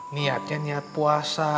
niatnya niat puasa